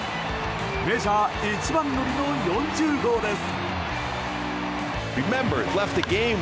メジャー一番乗りの４０号です。